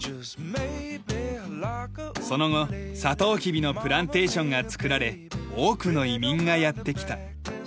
その後さとうきびのプランテーションが作られ多くの移民がやって来た。